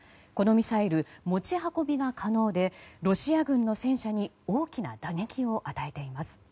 このミサイル、持ち運びが可能でロシア軍の戦車に大きな打撃を与えています。